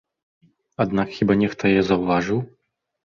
Аднак хіба нехта яе заўважыў?